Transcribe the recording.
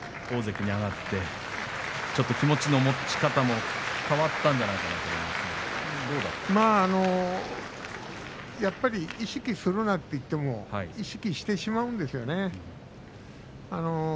大関に上がってちょっと気持ちの持ち方も変わったんじゃないかなとやっぱり意識するなと言っても意識してしまうんですよね。